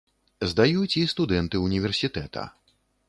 Здаюць і студэнты ўніверсітэта.